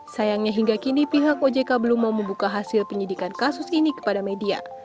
sayangnya hingga kini pihak ojk belum mau membuka hasil penyidikan kasus ini kepada media